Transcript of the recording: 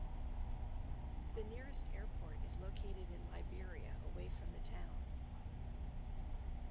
The nearest airport is located in Liberia, away from the town.